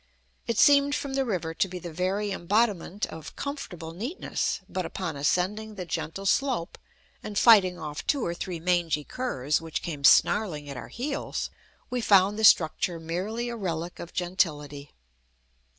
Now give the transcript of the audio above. It seemed, from the river, to be the very embodiment of comfortable neatness; but upon ascending the gentle slope and fighting off two or three mangy curs which came snarling at our heels, we found the structure merely a relic of gentility.